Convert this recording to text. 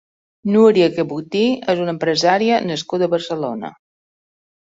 Núria Cabutí és una empresària nascuda a Barcelona.